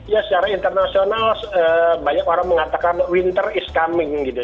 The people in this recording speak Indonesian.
ya secara internasional banyak orang mengatakan winter is coming gitu